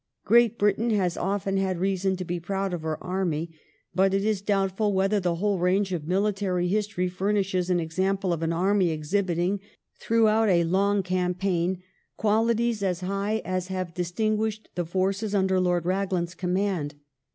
" Great Britain has often had reason to be proud of her army, but it is doubtful whether the whole range of military history furnishes an example of an army exhibiting, throughout a long campaign, qualities as high as have distinguished the forces under Lord Raglan's command.